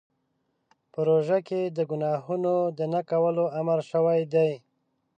په روژه کې د ګناهونو د نه کولو امر شوی دی.